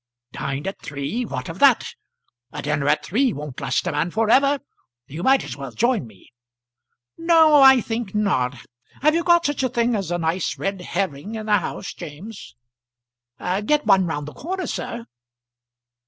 "Dined at three! What of that? a dinner at three won't last a man for ever. You might as well join me." "No, I think not. Have you got such a thing as a nice red herring in the house, James?" "Get one round the corner, sir."